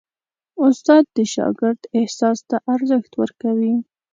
استاد د شاګرد احساس ته ارزښت ورکوي.